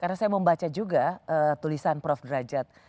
karena saya mau baca juga eee tulisan prof drajat